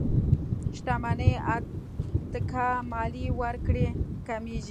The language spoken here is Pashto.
شتمنۍ اتکا ماليې ورکړې کمېږي.